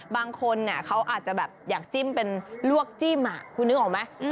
บางคนเขาอาจจะแบบอยากจิ้มเป็นลวกจิ้มคุณนึกออกไหม